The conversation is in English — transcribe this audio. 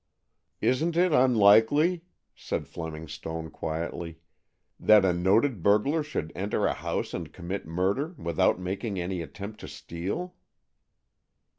"Isn't it unlikely," said Fleming Stone quietly, "that a noted burglar should enter a house and commit murder, without making any attempt to steal?"